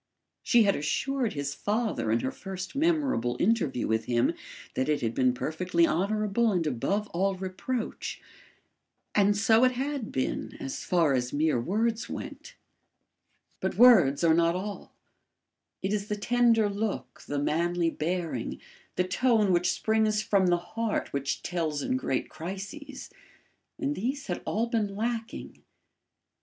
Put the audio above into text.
She had assured his father in her first memorable interview with him that it had been perfectly honourable and above all reproach. And so it had been as far as mere words went. But words are not all; it is the tender look, the manly bearing, the tone which springs from the heart which tells in great crises; and these had all been lacking.